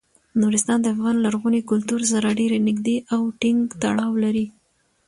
نورستان د افغان لرغوني کلتور سره ډیر نږدې او ټینګ تړاو لري.